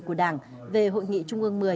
của đảng về hội nghị trung ương một mươi